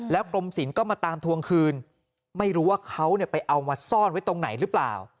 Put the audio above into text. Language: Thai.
กรมศิลป์ก็มาตามทวงคืนไม่รู้ว่าเขาไปเอามาซ่อนไว้ตรงไหนหรือเปล่า